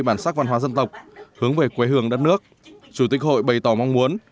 bản sắc văn hóa dân tộc hướng về quê hương đất nước chủ tịch hội bày tỏ mong muốn